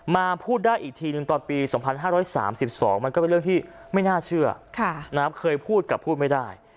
มาพูดได้อีกทีนึงตอนปี